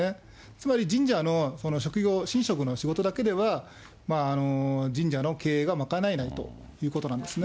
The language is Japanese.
つまり神社の職業、神職の仕事だけでは、神社の経営が賄えないということなんですね。